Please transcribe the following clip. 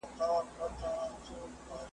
ما مي خپل پانوس ته بوزې په لمبو کي مي ایسار کې `